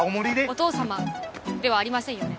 お父様ではありませんよね。